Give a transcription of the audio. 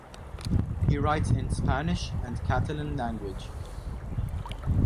He writes in Spanish and Catalan language.